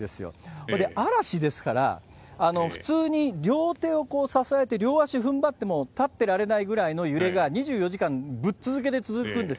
ほんで、嵐ですから、普通に両手をこう支えて、両足ふんばっても、立ってられないぐらいの揺れが２４時間ぶっ続けで続くんです。